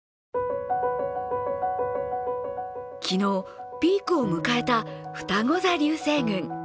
昨日、ピークを迎えたふたご座流星群。